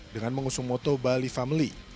dengan mengusung moto bali family